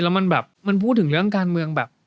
แล้วมันแบบมันพูดถึงเรื่องการเมืองแบบ